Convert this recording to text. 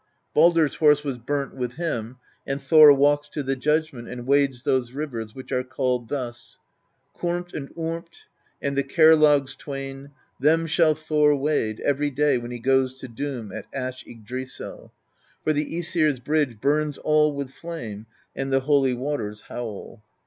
Baldr's horse was burnt with him; and Thor walks to the judgment, and wades those rivers which are called thus: Kormt and Ormt and the Kerlaugs twain, Them shall Thor wade Every day when he goes to doom At Ash Yggdrasill; For the ^sir's Bridge burns all with flame. And the holy waters howl."